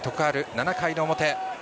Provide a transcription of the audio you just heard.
７回の表。